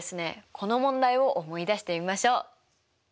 この問題を思い出してみましょう！